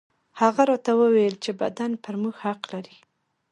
هغه راته وويل چې بدن پر موږ حق لري.